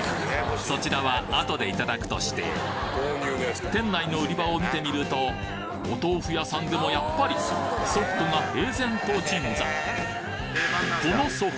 そちらはあとでいただくとして店内の売り場を見てみるとお豆腐屋さんでもやっぱり「ソフト」が平然と鎮座！